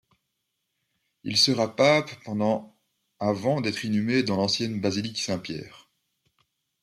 Il sera pape pendant avant d'être inhumé dans l'ancienne basilique Saint-Pierre.